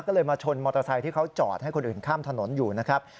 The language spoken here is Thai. ก็เลยมาชนมอเตอร์ไซค์ที่เขาจอดให้คนอื่นข้ามถนนอยู่นะครับ